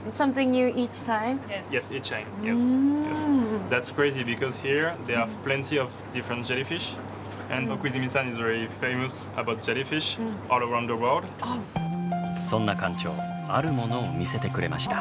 展示されているそんな館長あるものを見せてくれました。